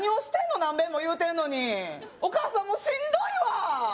何べんも言うてんのにお母さんもうしんどいわ！